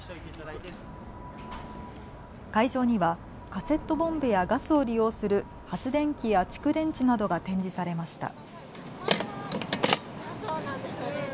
会場にはカセットボンベやガスを利用する発電機や蓄電池などが展示されました。